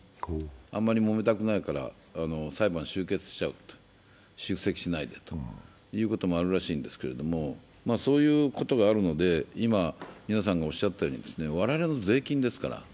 あまりもめたくないから裁判を終結しちゃう、出席しないでということもあるらしいんですけど、そういうこともあるので、今、皆さんがおっしゃったように我々の税金ですから。